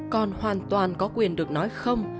con hoàn toàn có quyền được nói không